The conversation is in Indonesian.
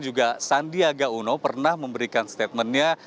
juga sandiaga uno pernah memberikan statementnya